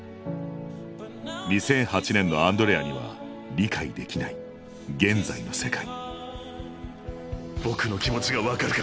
２００８年のアンドレアには理解できない現在の世界僕の気持ちが分かるか？